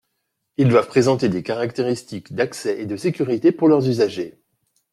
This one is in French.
Ils doivent présenter des caractéristiques d’accès et de sécurité pour leurs usagers.